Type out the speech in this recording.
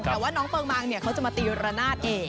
แต่ว่าน้องเปิงมังเนี่ยเขาจะมาตีระนาดเอง